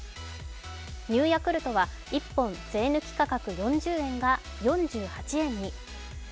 Ｎｅｗヤクルトは１本税抜き価格４０円が４８円に。